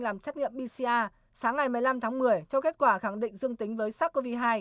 làm xét nghiệm pcr sáng ngày một mươi năm tháng một mươi cho kết quả khẳng định dương tính với sars cov hai